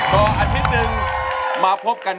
ร้องได้ให้ร้าง